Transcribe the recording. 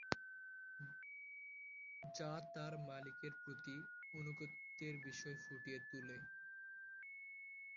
যা তার মালিকের প্রতি আনুগত্যের বিষয় ফুটিয়ে তুলে।